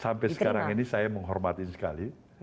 sampai sekarang ini saya menghormati sekali